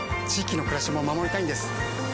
域の暮らしも守りたいんです。